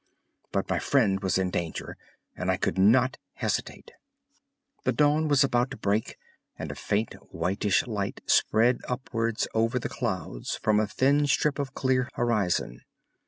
But my friend was in danger, and I could not hesitate. The dawn was just about to break, and a faint whitish light spread upwards over the clouds from a thin strip of clear horizon.